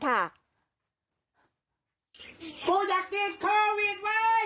กูอยากติดโควิดเว้ย